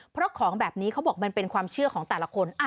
เพราะของแบบนี้เขาบอกมันเป็นความเชื่อของแต่ละคน